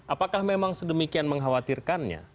apakah memang sedemikian mengkhawatirkannya